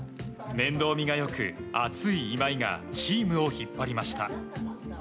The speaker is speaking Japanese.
面倒見が良く、熱い今井がチームを引っ張りました。